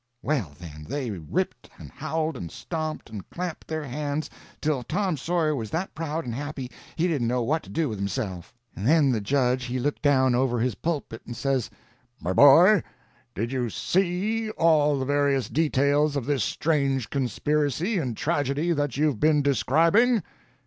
Well, then they ripped and howled and stomped and clapped their hands till Tom Sawyer was that proud and happy he didn't know what to do with himself. And then the judge he looked down over his pulpit and says: "My boy, did you see all the various details of this strange conspiracy and tragedy that you've been describing?"